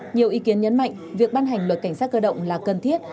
nhiều ý kiến nhấn mạnh việc ban hành luật cảnh sát cơ động là cần thiết